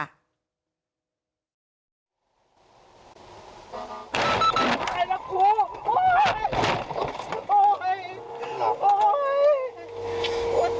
ตายแล้วครู